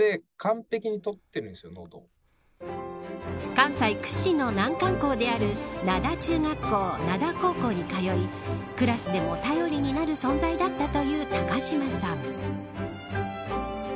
関西屈指の難関校である灘中学校、灘高校に通いクラスでも頼りになる存在だったという高島さん。